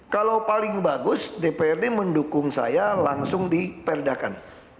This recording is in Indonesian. kalau paling bagus dprd mendukung saya langsung diperdakan